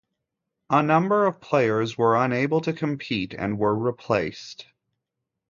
A number of players were unable to compete and were replaced.